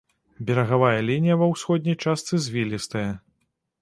Берагавая лінія ва ўсходняй частцы звілістая.